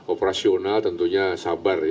operasional tentunya sabar